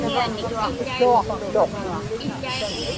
iłuaqtuq